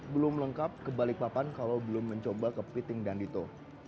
belum lengkap ke balikpapan kalau belum mencoba kepiting dan dito